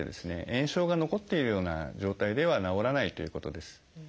炎症が残っているような状態では治らないということです。